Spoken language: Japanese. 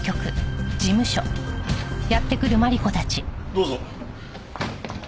どうぞ。